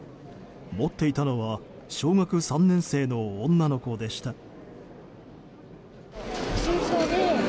持っていたのは小学３年生の女の子でした。